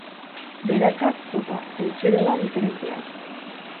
Berakatz zopa, etxero da diferentea.